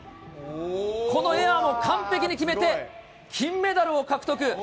このエアも完璧に決めて、金メダルを獲得。